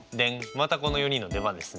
またこの４人の出番ですね。